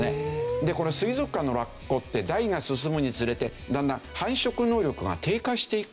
でこの水族館のラッコって代が進むにつれてだんだん繁殖能力が低下していくという事なんですね。